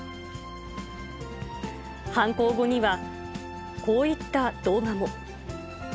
犯行後には、こういった動画も。